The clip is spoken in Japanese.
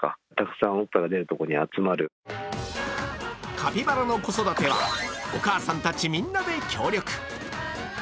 カピバラの子育ては、お母さんたちみんなで協力。